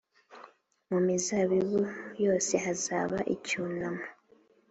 Mu mizabibu yose hazaba icyunamo